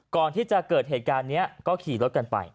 ก่อนที่จะเกิดเหตุการณ์นี้ก็ขี่รถกันไป